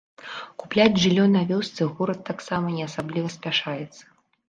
Купляць жыллё на вёсцы горад таксама не асабліва спяшаецца.